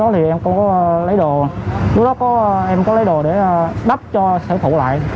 lúc đó em có lấy đồ để đắp cho sản phụ lại